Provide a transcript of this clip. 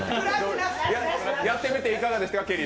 やってみていかがでしたか？